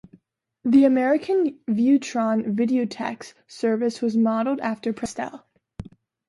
The American Viewtron videotex service was modelled after Prestel.